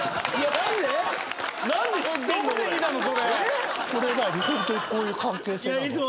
ホントにこういう関係性なの？